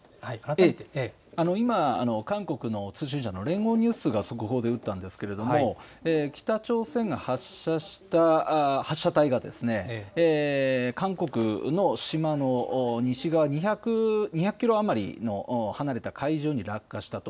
今、韓国の通信社の連合ニュースが速報で打ったんですけれども、北朝鮮が発射した発射体が、韓国の島の西側２００キロ余り離れた海上に落下したと。